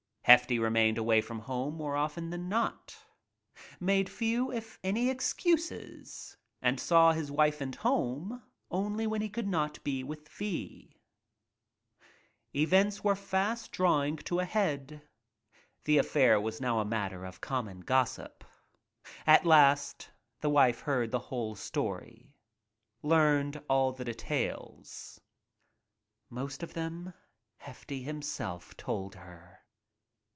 Hefty remained away from home more of ten now — made few if any excuses and saw his wife and home only when he could not be with V— —/ Events were fast drawing to a head. The affair was now a matter of common gossip. At last the wife heard the whole story — learned all the details. Most of them Hefty himself told her.